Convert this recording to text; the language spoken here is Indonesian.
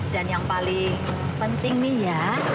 dan yang paling penting nih ya